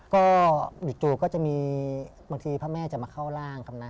ก็อยู่โจทย์ก็จะมีบางทีพระแม่จะมาเข้าร่างครับนะ